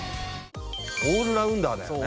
オールラウンダーだよね。